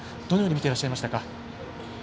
どのように見てらっしゃいましたか。